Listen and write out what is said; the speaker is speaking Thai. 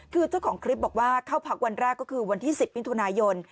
คือเจ้าของคลิปบอกว่าเข้าพักวันแรกก็คือวันที่๑๐มิถุนายน